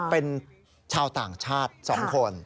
เป็นชาวต่างชาติ๒คน